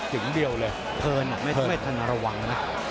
ถึงเดียวเลยเผินไม่ทันระวังนะ